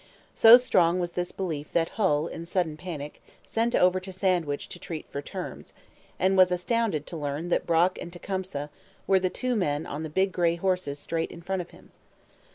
So strong was this belief that Hull, in sudden panic, sent over to Sandwich to treat for terms, and was astounded to learn that Brock and Tecumseh were the two men on the big grey horses straight in front of him.